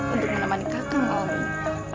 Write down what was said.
untuk menemani kakak malam ini